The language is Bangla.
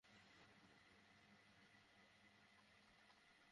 এমন পরিস্থিতিতে বাংলাদেশের লোকজনের অবৈধভাবে ভারতে গিয়ে অর্থনৈতিকভাবে কোনো লাভ নেই।